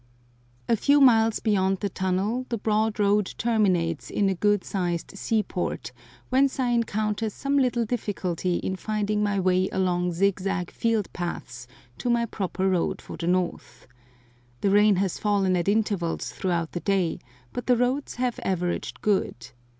A few miles beyond the tunnel the broad road terminates in a good sized seaport, whence I encounter some little difficulty in finding my way along zigzag field paths to my proper road for the north. The rain has fallen at intervals throughout the day, but the roads have averaged good.